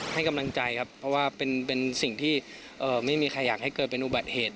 ให้กำลังใจครับเพราะว่าเป็นสิ่งที่ไม่มีใครอยากให้เกิดเป็นอุบัติเหตุ